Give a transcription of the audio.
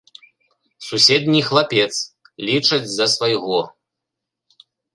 Суседні хлапец, лічаць за свайго.